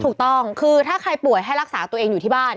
ถูกต้องคือถ้าใครป่วยให้รักษาตัวเองอยู่ที่บ้าน